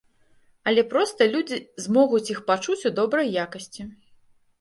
Але проста людзі змогуць іх пачуць у добрай якасці.